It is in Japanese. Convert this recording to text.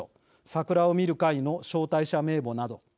桜を見る会の招待者名簿など。